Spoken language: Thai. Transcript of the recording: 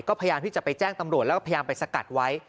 ก็พยายามที่จะไปแจ้งตำรวจแล้วก็พยายามไปสกัดไว้